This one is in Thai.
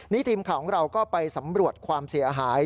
นี่ทีมข่าวของเราก็ไปสำรวจความเสียหาย